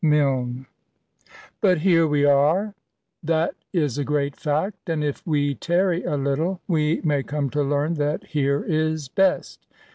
Milnxs. "Buthereweare;— >thatis agreatfiact; and, if we tarry a little, we may come to learn that here is best.